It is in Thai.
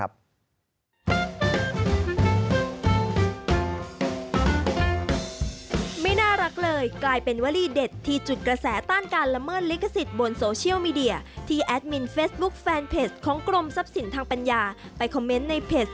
ไม่น่ารักเลยกลายเป็นวรีเด็ดที่จุดกระแสต้านการละเมิดลิขสิทธิ์